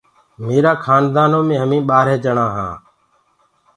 ميرآ خآندآ نو مي همي ٻآرهي ڀآتي هآن۔